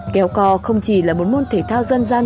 kéo co không chỉ là một môn thể thao dân gian